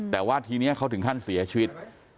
แต่ว่าทีนี้เขาถึงขั้นเสียชีวิต